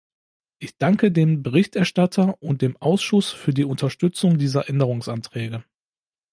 Ich danke dem Berichterstatter und dem Ausschuss für die Unterstützung dieser Änderungsanträge.